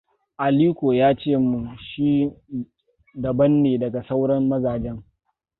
Aliko yace mun shi daban ne daga sauran mazajen.